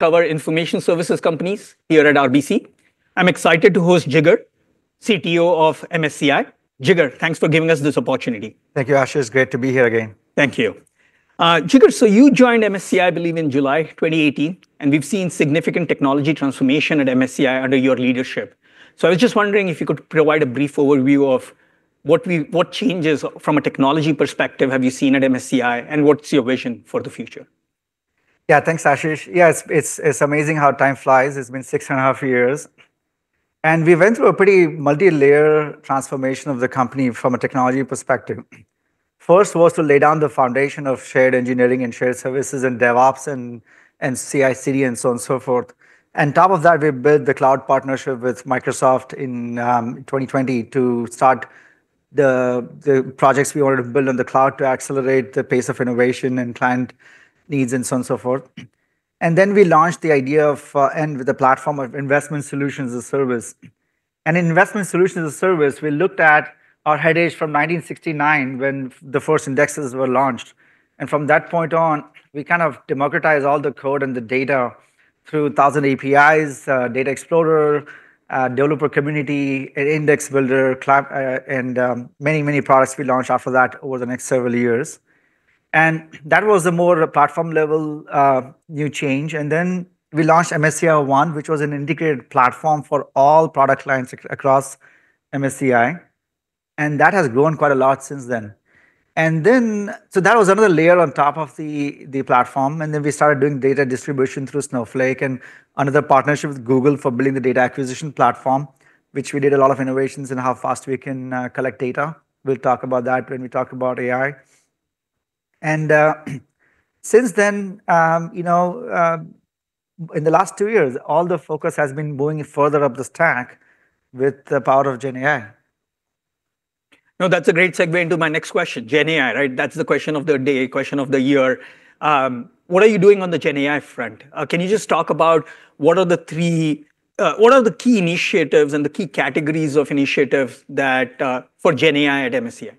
Cover information services companies here at RBC. I'm excited to host Jigar, CTO of MSCI. Jigar, thanks for giving us this opportunity. Thank you, Ashish. It's great to be here again. Thank you. Jigar, so you joined MSCI, I believe, in July 2018, and we've seen significant technology transformation at MSCI under your leadership. So I was just wondering if you could provide a brief overview of what changes, from a technology perspective, have you seen at MSCI, and what's your vision for the future? Yeah, thanks, Ashish. Yeah, it's amazing how time flies. It's been six and a half years. And we went through a pretty multi-layer transformation of the company from a technology perspective. First was to lay down the foundation of shared engineering and shared services and DevOps and CI/CD and so on and so forth. On top of that, we built the cloud partnership with Microsoft in 2020 to start the projects we wanted to build on the cloud to accelerate the pace of innovation and client needs and so on and so forth. And then we launched the idea of and with the platform of Investment Solutions as a Service. And in Investment Solutions as a Service, we looked at our headaches from 1959 when the first indexes were launched. And from that point on, we kind of democratized all the code and the data through 1,000 APIs, Data Explorer, Developer Community, Index Builder, and many, many products we launched after that over the next several years. And that was more of a platform-level new change. And then we launched MSCI One, which was an integrated platform for all product lines across MSCI. And that has grown quite a lot since then. And then so that was another layer on top of the platform. And then we started doing data distribution through Snowflake and another partnership with Google for building the data acquisition platform, which we did a lot of innovations in how fast we can collect data. We'll talk about that when we talk about AI. Since then, you know, in the last two years, all the focus has been moving further up the stack with the power of GenAI. No, that's a great segue into my next question, GenAI, right? That's the question of the day, question of the year. What are you doing on the GenAI front? Can you just talk about what are the key initiatives and the key categories of initiatives for GenAI at MSCI?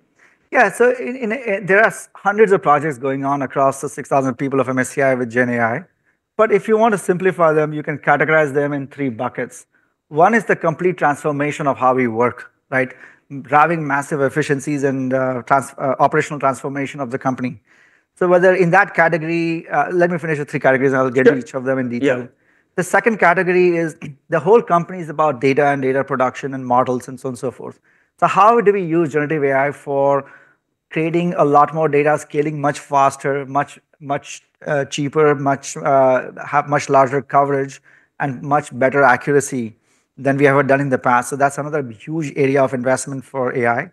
Yeah, so there are hundreds of projects going on across the 6,000 people of MSCI with GenAI. But if you want to simplify them, you can categorize them in three buckets. One is the complete transformation of how we work, right, driving massive efficiencies and operational transformation of the company. So, whether in that category, let me finish the three categories and I'll get to each of them in detail. The second category is the whole company is about data and data production and models and so on and so forth. So how do we use generative AI for creating a lot more data, scaling much faster, much cheaper, much larger coverage, and much better accuracy than we ever done in the past? So that's another huge area of investment for AI,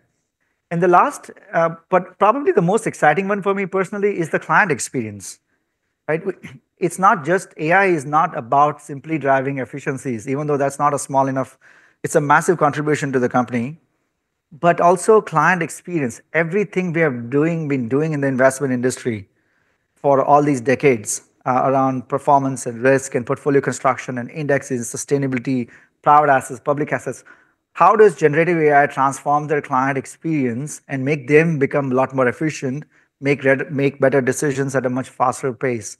and the last, but probably the most exciting one for me personally, is the client experience, right? It's not just AI is not about simply driving efficiencies, even though that's not a small enough. It's a massive contribution to the company, but also client experience. Everything we have been doing in the investment industry for all these decades around performance and risk and portfolio construction and indexes and sustainability, private assets, public assets, how does generative AI transform their client experience and make them become a lot more efficient, make better decisions at a much faster pace?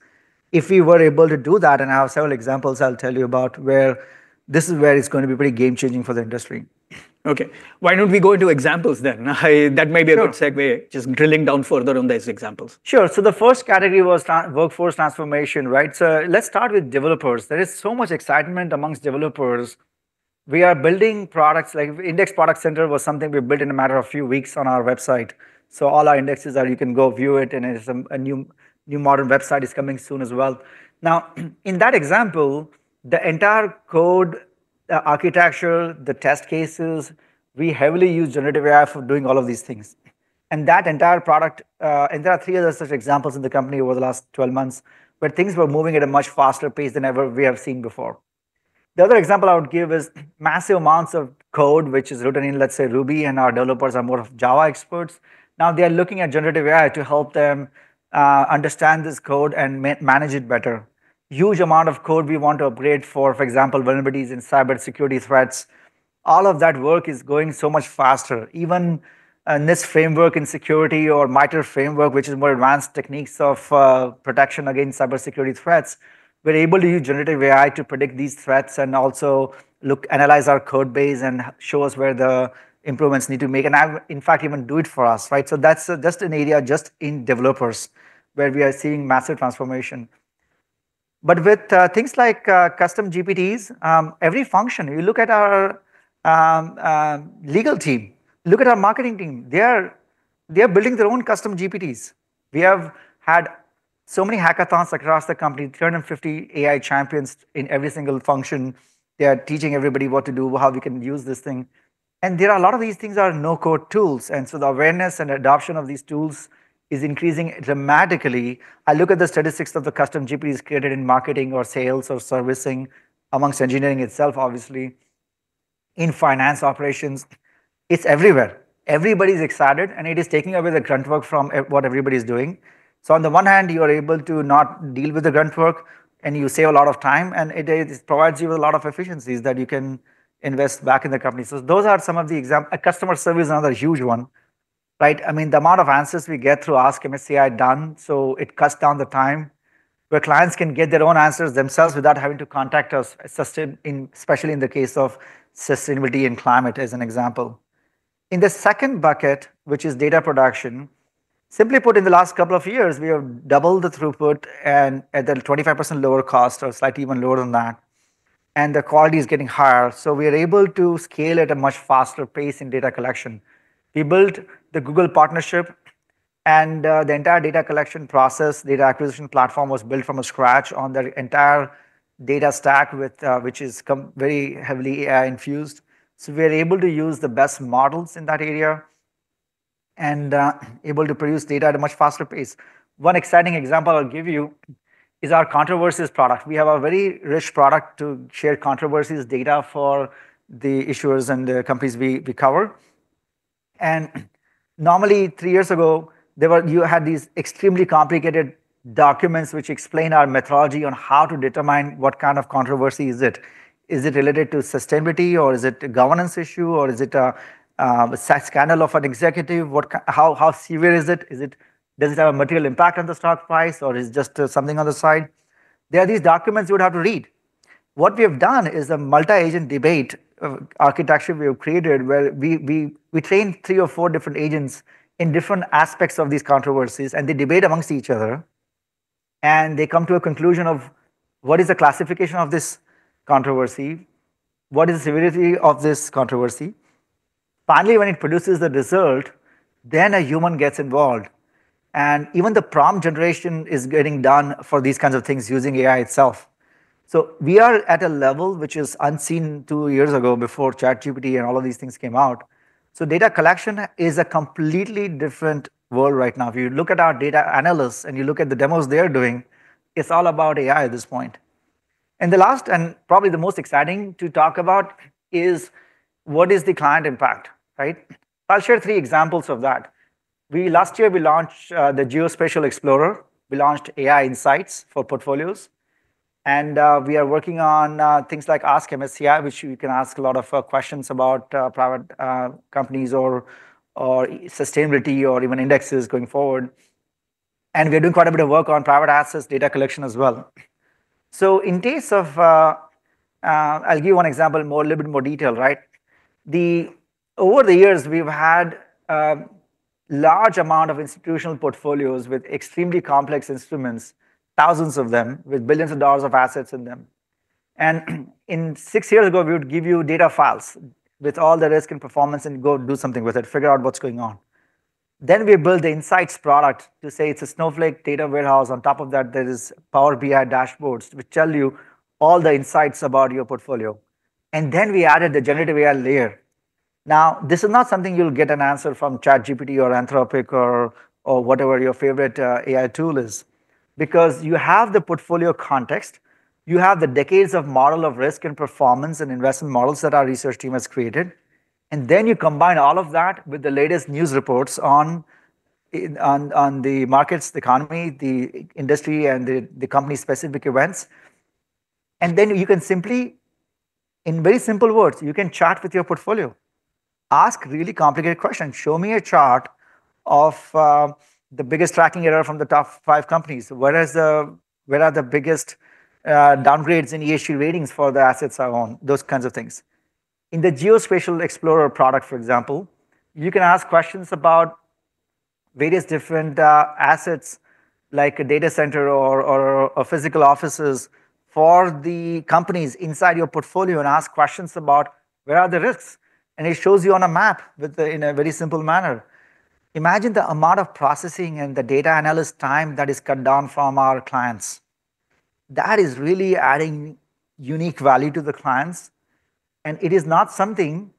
If we were able to do that, and I have several examples I'll tell you about where it's going to be pretty game-changing for the industry. Okay, why don't we go into examples then? That may be a good segue just drilling down further on those examples. Sure. So the first category was workforce transformation, right? So let's start with developers. There is so much excitement amongst developers. We are building products like index product center was something we built in a matter of a few weeks on our website. So all our indexes are, you can go view it, and it's a new modern website is coming soon as well. Now, in that example, the entire code architecture, the test cases, we heavily use generative AI for doing all of these things. And that entire product, and there are three other such examples in the company over the last 12 months where things were moving at a much faster pace than ever we have seen before. The other example I would give is massive amounts of code, which is written in, let's say, Ruby, and our developers are more Java experts. Now they are looking at generative AI to help them understand this code and manage it better. Huge amount of code we want to upgrade for, for example, vulnerabilities and cybersecurity threats. All of that work is going so much faster. Even in this framework in security or MITRE Framework, which is more advanced techniques of protection against cybersecurity threats, we're able to use generative AI to predict these threats and also look, analyze our code base and show us where the improvements need to be made. And in fact, even do it for us, right? So that's just an area just in developers where we are seeing massive transformation. But with things like Custom GPTs, every function, you look at our legal team, look at our marketing team, they are building their own Custom GPTs. We have had so many hackathons across the company, 350 AI champions in every single function. They are teaching everybody what to do, how we can use this thing, and there are a lot of these things are no-code tools, and so the awareness and adoption of these tools is increasing dramatically. I look at the statistics of the Custom GPTs created in marketing or sales or servicing among engineering itself, obviously, in finance operations. It's everywhere. Everybody's excited, and it is taking away the grunt work from what everybody's doing, so on the one hand, you are able to not deal with the grunt work, and you save a lot of time, and it provides you with a lot of efficiencies that you can invest back in the company, so those are some of the examples. Customer service is another huge one, right? I mean, the amount of answers we get through Ask MSCI done, so it cuts down the time where clients can get their own answers themselves without having to contact us, especially in the case of sustainability and climate as an example. In the second bucket, which is data production, simply put, in the last couple of years, we have doubled the throughput and at a 25% lower cost or slightly even lower than that. And the quality is getting higher. So we are able to scale at a much faster pace in data collection. We built the Google partnership, and the entire data collection process, data acquisition platform was built from scratch on the entire data stack, which is very heavily AI-infused. So we are able to use the best models in that area and able to produce data at a much faster pace. One exciting example I'll give you is our controversies product. We have a very rich product to share controversies data for the issuers and the companies we cover, and normally, three years ago, you had these extremely complicated documents which explain our methodology on how to determine what kind of controversy is it? Is it related to sustainability, or is it a governance issue, or is it a scandal of an executive? How severe is it? Does it have a material impact on the stock price, or is it just something on the side? There are these documents you would have to read. What we have done is a multi-agent debate architecture we have created where we train three or four different agents in different aspects of these controversies, and they debate amongst each other. They come to a conclusion of what is the classification of this controversy, what is the severity of this controversy. Finally, when it produces the result, then a human gets involved. Even the prompt generation is getting done for these kinds of things using AI itself. We are at a level which is unseen two years ago before ChatGPT and all of these things came out. Data collection is a completely different world right now. If you look at our data analysts and you look at the demos they're doing, it's all about AI at this point. The last and probably the most exciting to talk about is what is the client impact, right? I'll share three examples of that. Last year, we launched the Geospatial Explorer. We launched AI Insights for portfolios. We are working on things like Ask MSCI, which you can ask a lot of questions about private companies or sustainability or even indexes going forward. We're doing quite a bit of work on private assets data collection as well. I'll give you one example a little bit more detail, right? Over the years, we've had a large amount of institutional portfolios with extremely complex instruments, thousands of them with billions of dollars of assets in them. Six years ago, we would give you data files with all the risk and performance and go do something with it, figure out what's going on. We built the Insights product to say it's a Snowflake data warehouse. On top of that, there are Power BI dashboards which tell you all the insights about your portfolio. We added the generative AI layer. Now, this is not something you'll get an answer from ChatGPT or Anthropic or whatever your favorite AI tool is because you have the portfolio context, you have the decades of model of risk and performance and investment models that our research team has created. And then you combine all of that with the latest news reports on the markets, the economy, the industry, and the company-specific events. And then you can simply, in very simple words, you can chat with your portfolio. Ask really complicated questions. Show me a chart of the biggest tracking error from the top five companies. Where are the biggest downgrades in ESG ratings for the assets I own, those kinds of things. In the Geospatial Explorer product, for example, you can ask questions about various different assets like a data center or physical offices for the companies inside your portfolio and ask questions about where are the risks, and it shows you on a map in a very simple manner. Imagine the amount of processing and the data analyst time that is cut down from our clients. That is really adding unique value to the clients, and it is not something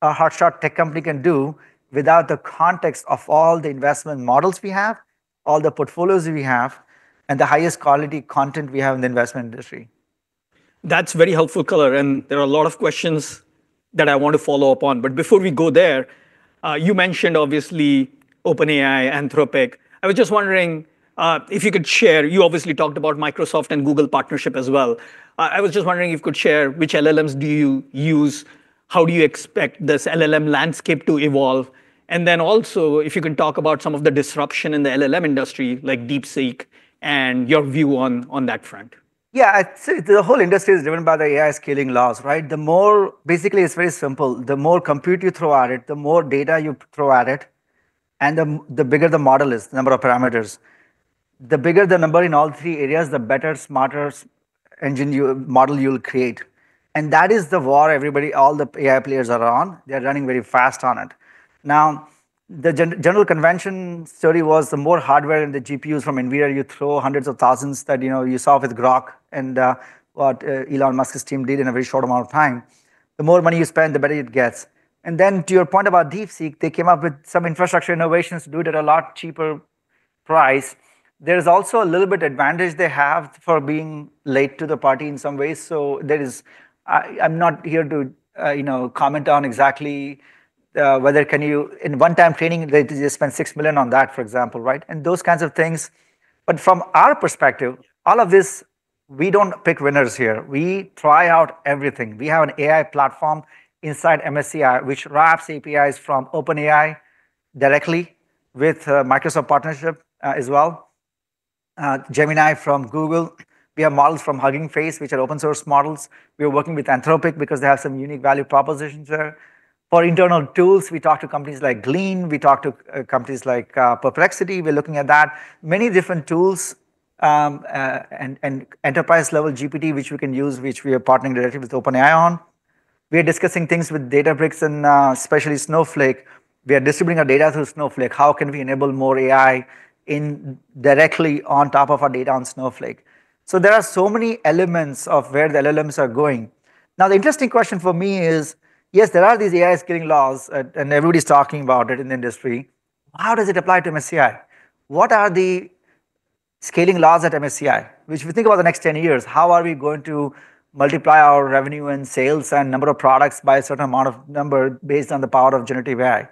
a hotshot tech company can do without the context of all the investment models we have, all the portfolios we have, and the highest quality content we have in the investment industry. That's very helpful, Jigar. And there are a lot of questions that I want to follow up on. But before we go there, you mentioned obviously OpenAI, Anthropic. I was just wondering if you could share. You obviously talked about Microsoft and Google partnership as well. I was just wondering if you could share which LLMs do you use, how do you expect this LLM landscape to evolve, and then also if you can talk about some of the disruption in the LLM industry like DeepSeek and your view on that front. Yeah, the whole industry is driven by the AI scaling laws, right? The more, basically, it's very simple. The more compute you throw at it, the more data you throw at it, and the bigger the model is, the number of parameters. The bigger the number in all three areas, the better, smarter model you'll create. And that is the war everybody, all the AI players are on. They're running very fast on it. Now, the general consensus was the more hardware and the GPUs from NVIDIA you throw, hundreds of thousands that you saw with Grok and what Elon Musk's team did in a very short amount of time, the more money you spend, the better it gets. And then to your point about DeepSeek, they came up with some infrastructure innovations to do it at a lot cheaper price. There is also a little bit of advantage they have for being late to the party in some ways, so there is. I'm not here to comment on exactly whether can you in one-time training, they just spent $6 million on that, for example, right? And those kinds of things, but from our perspective, all of this, we don't pick winners here. We try out everything. We have an AI platform inside MSCI, which wraps APIs from OpenAI directly with Microsoft partnership as well. Gemini from Google. We have models from Hugging Face, which are open-source models. We are working with Anthropic because they have some unique value propositions there. For internal tools, we talk to companies like Glean. We talk to companies like Perplexity. We're looking at that. Many different tools and enterprise-level GPT, which we can use, which we are partnering directly with OpenAI on. We are discussing things with Databricks and especially Snowflake. We are distributing our data through Snowflake. How can we enable more AI directly on top of our data on Snowflake? So there are so many elements of where the LLMs are going. Now, the interesting question for me is, yes, there are these AI scaling laws, and everybody's talking about it in the industry. How does it apply to MSCI? What are the scaling laws at MSCI? If we think about the next 10 years, how are we going to multiply our revenue and sales and number of products by a certain amount of number based on the power of generative AI?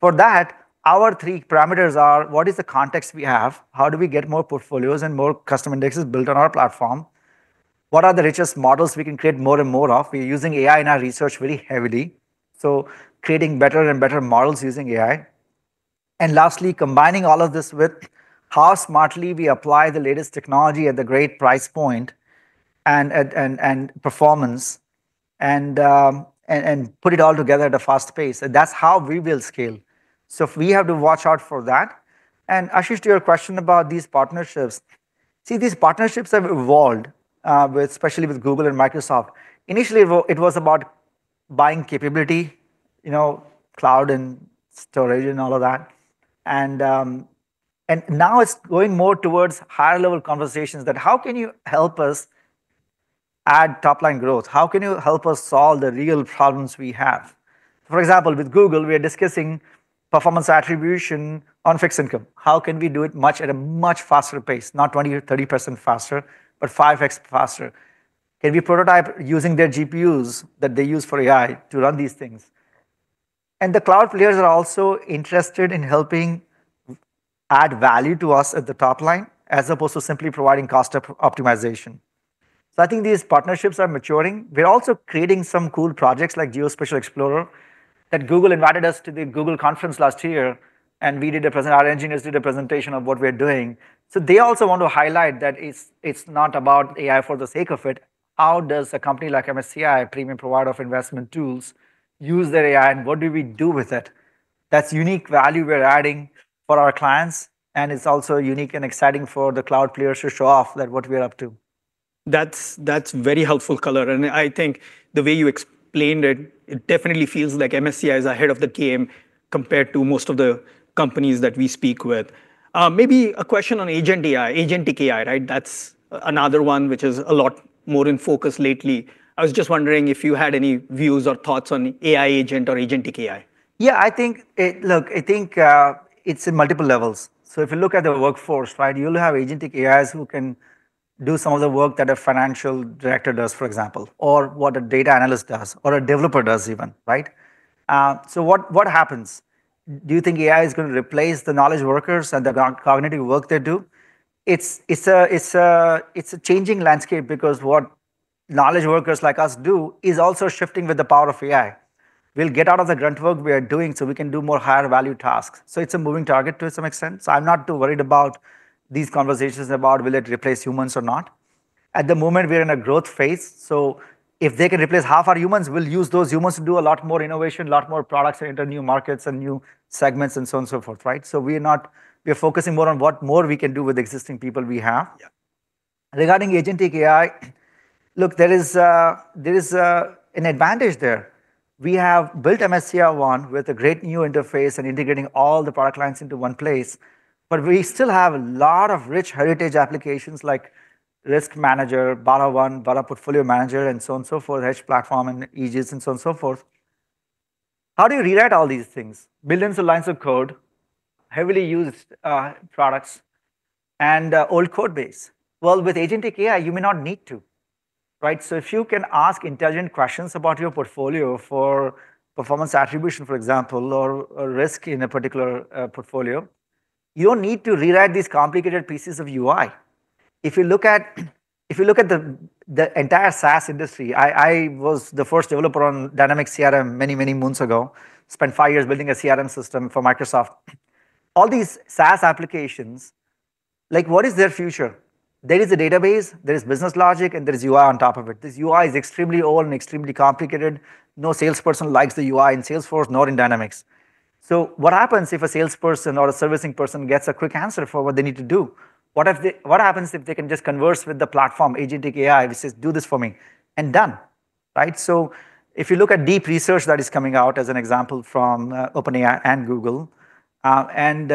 For that, our three parameters are what is the context we have, how do we get more portfolios and more custom indexes built on our platform, what are the richest models we can create more and more of. We're using AI in our research very heavily, so creating better and better models using AI. And lastly, combining all of this with how smartly we apply the latest technology at the great price point and performance and put it all together at a fast pace. And that's how we will scale. So we have to watch out for that. And Ashish, to your question about these partnerships, see, these partnerships have evolved, especially with Google and Microsoft. Initially, it was about buying capability, cloud and storage and all of that. And now it's going more towards higher-level conversations that how can you help us add top-line growth? How can you help us solve the real problems we have? For example, with Google, we are discussing performance attribution on fixed income. How can we do it at a much faster pace, not 20% or 30% faster, but 5x faster? Can we prototype using their GPUs that they use for AI to run these things? The cloud players are also interested in helping add value to us at the top line as opposed to simply providing cost optimization. I think these partnerships are maturing. We're also creating some cool projects like Geospatial Explorer that Google invited us to the Google conference last year, and we did a presentation. Our engineers did a presentation of what we're doing. They also want to highlight that it's not about AI for the sake of it. How does a company like MSCI, a premium provider of investment tools, use their AI, and what do we do with it? That's unique value we're adding for our clients. It's also unique and exciting for the cloud players to show off what we are up to. That's very helpful, Jigar, and I think the way you explained it, it definitely feels like MSCI is ahead of the game compared to most of the companies that we speak with. Maybe a question on agent AI, agentic AI, right? That's another one which is a lot more in focus lately. I was just wondering if you had any views or thoughts on AI agent or agentic AI. Yeah, I think, look, I think it's in multiple levels. So if you look at the workforce, right, you'll have agentic AIs who can do some of the work that a financial director does, for example, or what a data analyst does or a developer does even, right? So what happens? Do you think AI is going to replace the knowledge workers and the cognitive work they do? It's a changing landscape because what knowledge workers like us do is also shifting with the power of AI. We'll get out of the grunt work we are doing so we can do more higher-value tasks. So it's a moving target to some extent. So I'm not too worried about these conversations about will it replace humans or not. At the moment, we're in a growth phase. So if they can replace half our humans, we'll use those humans to do a lot more innovation, a lot more products and enter new markets and new segments and so on and so forth, right? So we're focusing more on what more we can do with the existing people we have. Regarding agentic AI, look, there is an advantage there. We have built MSCI One with a great new interface and integrating all the product lines into one place. But we still have a lot of rich heritage applications like RiskManager, BarraOne, Barra Portfolio Manager, and so on and so forth, HedgePlatform and Aegis and so on and so forth. How do you rewrite all these things? Millions of lines of code, heavily used products, and old code base. Well, with agentic AI, you may not need to, right? If you can ask intelligent questions about your portfolio for performance attribution, for example, or risk in a particular portfolio, you don't need to rewrite these complicated pieces of UI. If you look at the entire SaaS industry, I was the first developer on Dynamics CRM many, many months ago, spent five years building a CRM system for Microsoft. All these SaaS applications, like what is their future? There is a database, there is business logic, and there is UI on top of it. This UI is extremely old and extremely complicated. No salesperson likes the UI in Salesforce, nor in Dynamics. So what happens if a salesperson or a servicing person gets a quick answer for what they need to do? What happens if they can just converse with the platform, agentic AI, which says, "Do this for me," and done, right? So if you look at deep research that is coming out, as an example, from OpenAI and Google, and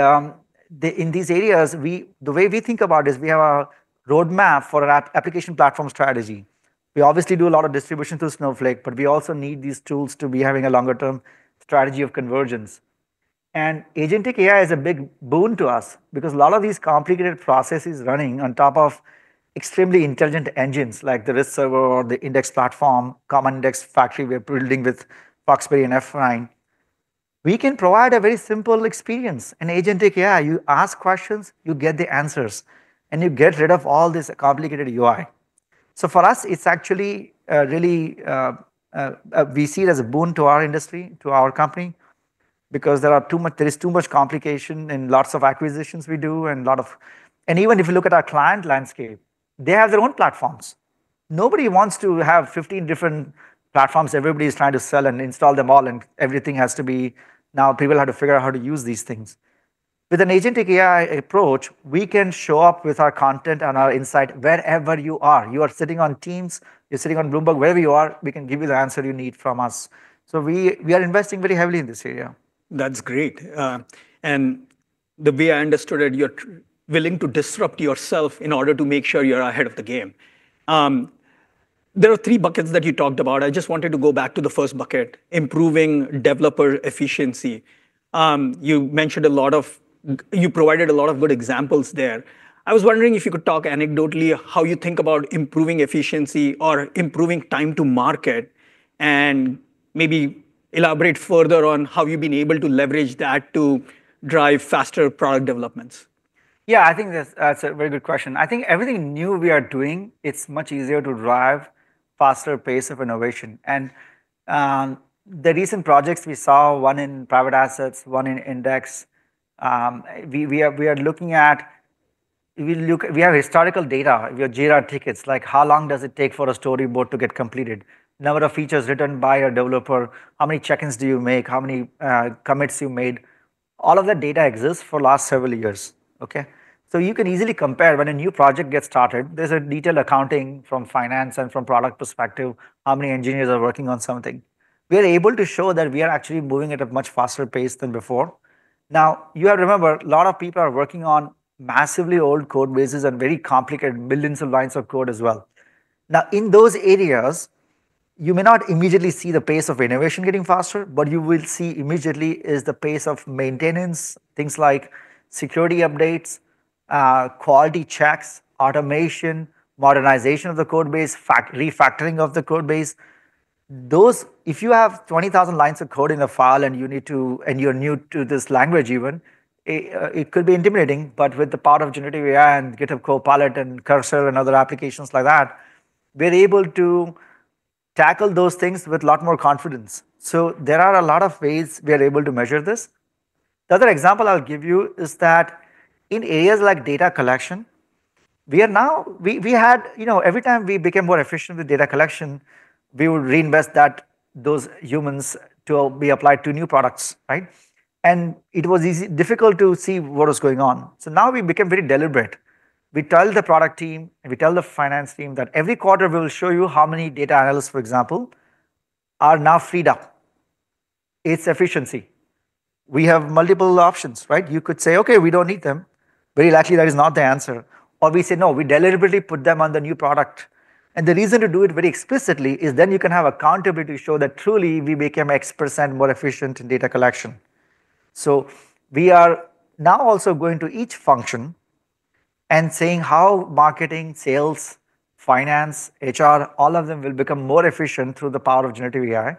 in these areas, the way we think about it is we have a roadmap for our application platform strategy. We obviously do a lot of distribution through Snowflake, but we also need these tools to be having a longer-term strategy of convergence. And agentic AI is a big boon to us because a lot of these complicated processes running on top of extremely intelligent engines like the RiskServer or the Index Platform, common index factory we're building with Foxberry and foxf9, we can provide a very simple experience. In agentic AI, you ask questions, you get the answers, and you get rid of all this complicated UI. So for us, it's actually really, we see it as a boon to our industry, to our company, because there is too much complication in lots of acquisitions we do and a lot of, and even if you look at our client landscape, they have their own platforms. Nobody wants to have 15 different platforms. Everybody is trying to sell and install them all, and everything has to be, now people have to figure out how to use these things. With an agentic AI approach, we can show up with our content and our insight wherever you are. You are sitting on Teams, you're sitting on Bloomberg, wherever you are, we can give you the answer you need from us, so we are investing very heavily in this area. That's great. And the way I understood it, you're willing to disrupt yourself in order to make sure you're ahead of the game. There are three buckets that you talked about. I just wanted to go back to the first bucket, improving developer efficiency. You mentioned a lot of, you provided a lot of good examples there. I was wondering if you could talk anecdotally how you think about improving efficiency or improving time to market and maybe elaborate further on how you've been able to leverage that to drive faster product developments. Yeah, I think that's a very good question. I think everything new we are doing, it's much easier to drive faster pace of innovation. And the recent projects we saw, one in private assets, one in index, we are looking at, we have historical data, we have Jira tickets, like how long does it take for a storyboard to get completed, number of features written by a developer, how many check-ins do you make, how many commits you made. All of that data exists for the last several years, okay? So you can easily compare when a new project gets started, there's a detailed accounting from finance and from product perspective, how many engineers are working on something. We are able to show that we are actually moving at a much faster pace than before. Now, you have to remember, a lot of people are working on massively old code bases and very complicated millions of lines of code as well. Now, in those areas, you may not immediately see the pace of innovation getting faster, but you will see immediately is the pace of maintenance, things like security updates, quality checks, automation, modernization of the code base, refactoring of the code base. Those, if you have 20,000 lines of code in a file and you need to, and you're new to this language even, it could be intimidating, but with the power of generative AI and GitHub Copilot and Cursor and other applications like that, we're able to tackle those things with a lot more confidence. So there are a lot of ways we are able to measure this. The other example I'll give you is that in areas like data collection, we are now, we had, you know, every time we became more efficient with data collection, we would reinvest those humans to be applied to new products, right, and it was difficult to see what was going on, so now we became very deliberate. We tell the product team and we tell the finance team that every quarter we'll show you how many data analysts, for example, are now freed up. It's efficiency. We have multiple options, right? You could say, "Okay, we don't need them." Very likely that is not the answer. Or we say, "No, we deliberately put them on the new product." And the reason to do it very explicitly is then you can have accountability to show that truly we became X% more efficient in data collection. So we are now also going to each function and saying how marketing, sales, finance, HR, all of them will become more efficient through the power of generative AI.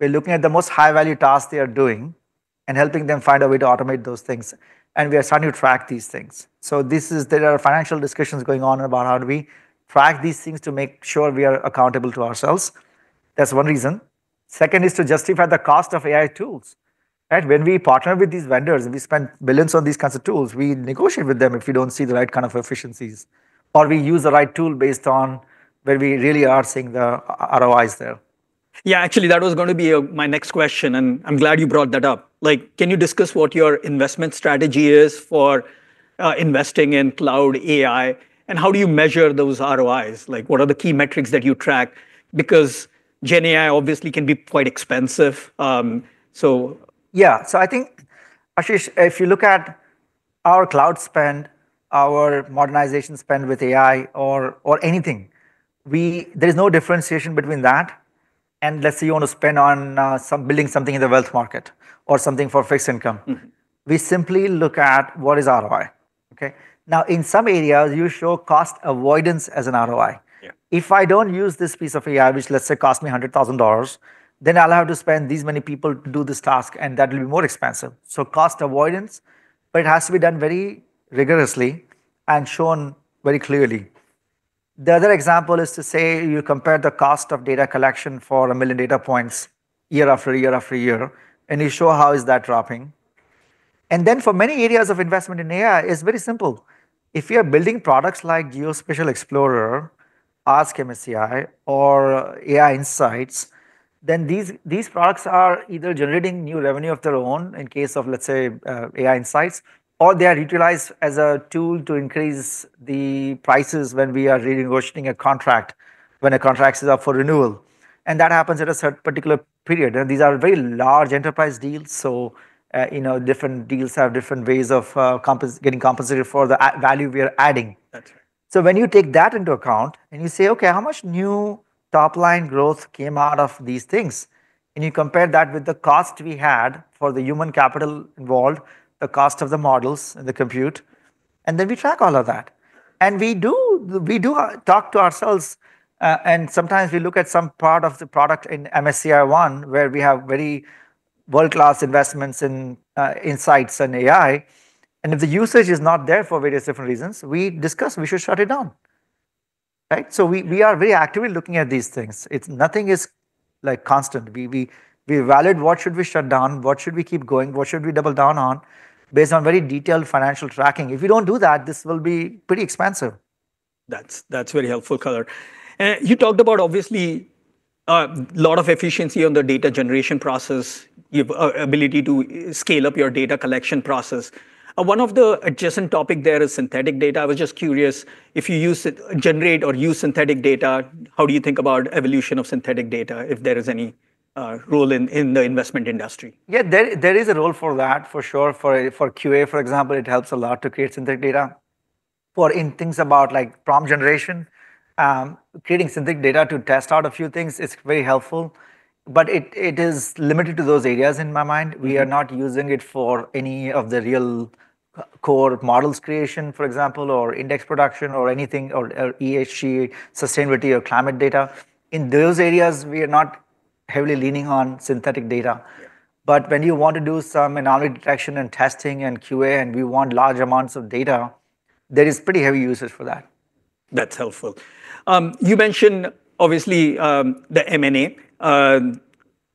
We're looking at the most high-value tasks they are doing and helping them find a way to automate those things. And we are starting to track these things. So these are financial discussions going on about how do we track these things to make sure we are accountable to ourselves. That's one reason. Second is to justify the cost of AI tools. When we partner with these vendors and we spend billions on these kinds of tools, we negotiate with them if we don't see the right kind of efficiencies. Or we use the right tool based on where we really are seeing the ROIs there. Yeah, actually, that was going to be my next question, and I'm glad you brought that up. Can you discuss what your investment strategy is for investing in cloud AI, and how do you measure those ROIs? What are the key metrics that you track? Because Gen AI obviously can be quite expensive. So. Yeah, so I think, Ashish, if you look at our cloud spend, our modernization spend with AI or anything, there is no differentiation between that. And let's say you want to spend on building something in the wealth market or something for fixed income. We simply look at what is ROI, okay? Now, in some areas, you show cost avoidance as an ROI. If I don't use this piece of AI, which let's say costs me $100,000, then I'll have to spend these many people to do this task, and that will be more expensive. So cost avoidance, but it has to be done very rigorously and shown very clearly. The other example is to say you compare the cost of data collection for a million data points year after year after year, and you show how is that dropping. And then for many areas of investment in AI, it's very simple. If you're building products like Geospatial Explorer, Ask MSCI, or AI Insights, then these products are either generating new revenue of their own in case of, let's say, AI Insights, or they are utilized as a tool to increase the prices when we are renegotiating a contract, when a contract is up for renewal. And that happens at a particular period. And these are very large enterprise deals. So different deals have different ways of getting compensated for the value we are adding. So when you take that into account and you say, "Okay, how much new top-line growth came out of these things?" And you compare that with the cost we had for the human capital involved, the cost of the models and the compute, and then we track all of that. We do talk to ourselves, and sometimes we look at some part of the product in MSCI One, where we have very world-class investments in insights and AI. If the usage is not there for various different reasons, we discuss we should shut it down, right? We are very actively looking at these things. Nothing is constant. We validate what should we shut down, what should we keep going, what should we double down on based on very detailed financial tracking. If we don't do that, this will be pretty expensive. That's very helpful, Jigar. You talked about, obviously, a lot of efficiency on the data generation process, your ability to scale up your data collection process. One of the adjacent topics there is synthetic data. I was just curious, if you generate or use synthetic data, how do you think about the evolution of synthetic data, if there is any role in the investment industry? Yeah, there is a role for that, for sure. For QA, for example, it helps a lot to create synthetic data. For in things about like prompt generation, creating synthetic data to test out a few things, it's very helpful. But it is limited to those areas in my mind. We are not using it for any of the real core models creation, for example, or index production or anything, or ESG, sustainability, or climate data. In those areas, we are not heavily leaning on synthetic data. But when you want to do some anomaly detection and testing and QA, and we want large amounts of data, there is pretty heavy usage for that. That's helpful. You mentioned, obviously, the M&A.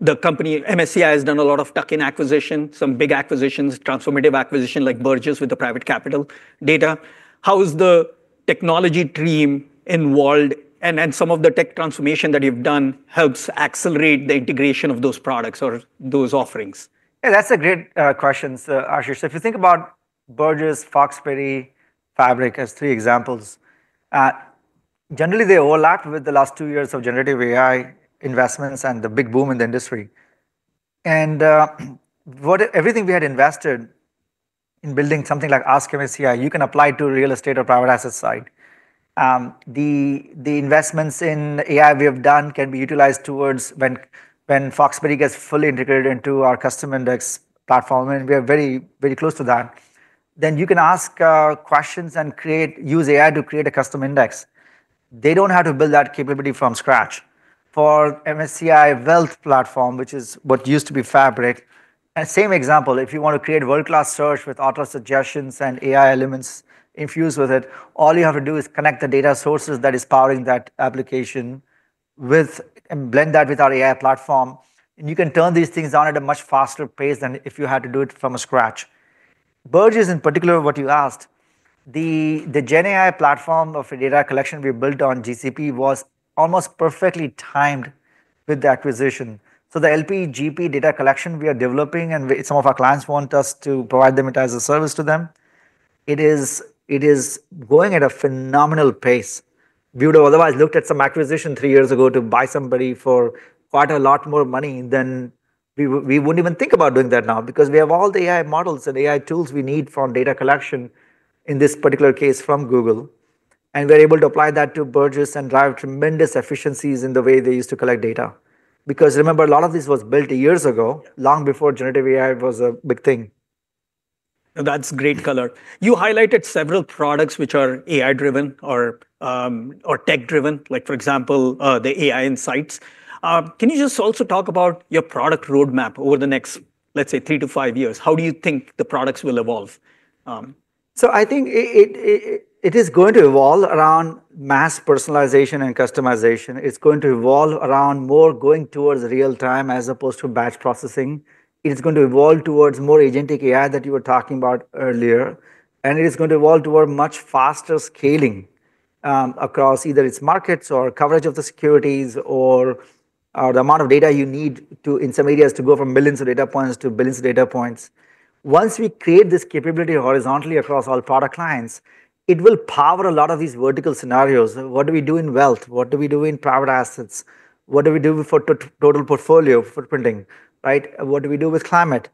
The company, MSCI, has done a lot of tuck-in acquisitions, some big acquisitions, transformative acquisitions like Burgiss with the private capital data. How is the technology team involved? And some of the tech transformation that you've done helps accelerate the integration of those products or those offerings? Yeah, that's a great question, Ashish. So if you think about Burgiss, Foxberry, Fabric as three examples, generally, they overlap with the last two years of generative AI investments and the big boom in the industry. And everything we had invested in building something like Ask MSCI, you can apply to a real estate or private asset side. The investments in AI we have done can be utilized towards when Foxberry gets fully integrated into our custom index platform, and we are very, very close to that. Then you can ask questions and use AI to create a custom index. They don't have to build that capability from scratch. For MSCI Wealth Platform, which is what used to be Fabric, same example. If you want to create world-class search with auto suggestions and AI elements infused with it, all you have to do is connect the data sources that are powering that application and blend that with our AI platform, and you can turn these things on at a much faster pace than if you had to do it from scratch. Burgiss, in particular, what you asked, the GenAI platform of data collection we built on GCP was almost perfectly timed with the acquisition, the LP/GP data collection we are developing, and some of our clients want us to provide them as a service to them, it is going at a phenomenal pace. We would have otherwise looked at some acquisition three years ago to buy somebody for quite a lot more money than we wouldn't even think about doing that now because we have all the AI models and AI tools we need from data collection, in this particular case from Google, and we're able to apply that to Burgiss and drive tremendous efficiencies in the way they used to collect data. Because remember, a lot of this was built years ago, long before generative AI was a big thing. That's great, Jigar. You highlighted several products which are AI-driven or tech-driven, like for example, the AI Insights. Can you just also talk about your product roadmap over the next, let's say, three to five years? How do you think the products will evolve? I think it is going to evolve around mass personalization and customization. It's going to evolve around more going towards real-time as opposed to batch processing. It is going to evolve towards more agentic AI that you were talking about earlier. It is going to evolve toward much faster scaling across either its markets or coverage of the securities or the amount of data you need in some areas to go from millions of data points to billions of data points. Once we create this capability horizontally across all product lines, it will power a lot of these vertical scenarios. What do we do in wealth? What do we do in private assets? What do we do for total portfolio foot printing? What do we do with climate?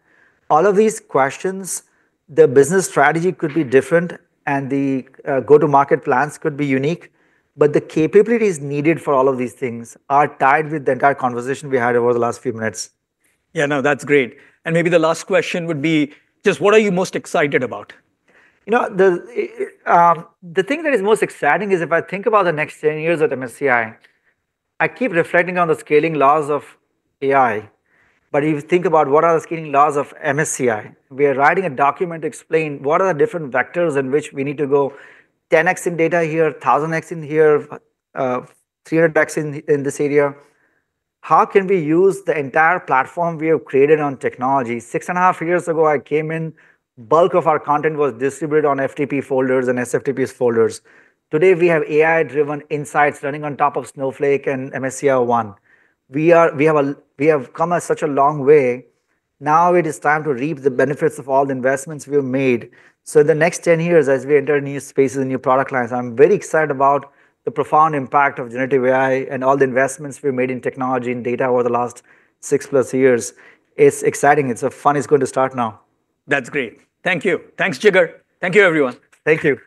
All of these questions, the business strategy could be different and the go-to-market plans could be unique, but the capabilities needed for all of these things are tied with the entire conversation we had over the last few minutes. Yeah, no, that's great. And maybe the last question would be just what are you most excited about? You know, the thing that is most exciting is if I think about the next 10 years at MSCI, I keep reflecting on the scaling laws of AI. But if you think about what are the scaling laws of MSCI, we are writing a document to explain what are the different vectors in which we need to go 10x in data here, 1,000x in here, 300x in this area. How can we use the entire platform we have created on technology? Six and a half years ago, I came in, bulk of our content was distributed on FTP folders and SFTP folders. Today, we have AI-driven insights running on top of Snowflake and MSCI One. We have come such a long way. Now it is time to reap the benefits of all the investments we have made. In the next 10 years, as we enter new spaces and new product lines, I'm very excited about the profound impact of generative AI and all the investments we've made in technology and data over the last six plus years. It's exciting. It's funny. It's going to start now. That's great. Thank you. Thanks, Jigar. Thank you, everyone. Thank you.